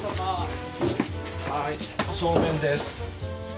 はいおそうめんです。